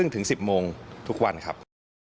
๘๓๐ถึง๑๐๐๐นทุกวันครับ